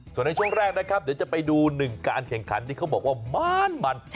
ส่วนในช่วงแรกนะครับเดี๋ยวจะไปดูหนึ่งการแข่งขันที่เขาบอกว่ามัน